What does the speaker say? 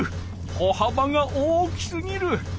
歩はばが大きすぎる。